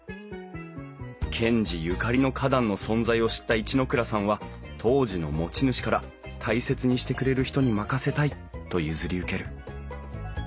賢治ゆかりの花壇の存在を知った一ノ倉さんは当時の持ち主から大切にしてくれる人に任せたいと譲り受ける。